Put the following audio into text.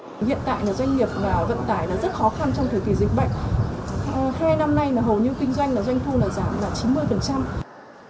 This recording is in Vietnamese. thế năm nay hầu như kinh doanh doanh thu giảm là chín mươi